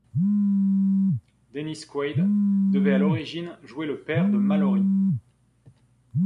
Dennis Quaid devait à l'origine jouer le père de Mallory.